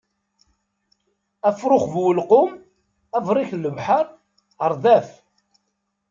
Afṛux bu uḥelqum, abṛik n lebḥeṛ, aṛdaf.